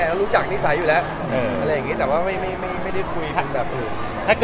ก็กลัวแต่ก็กลัวก็ต้องลองดูว่ามันจะเป็นยังไงต่อไป